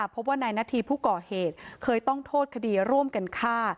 พบว่านายนาธีผู้ก่อเหตุเคยต้องโทษคดีร่วมกันฆ่า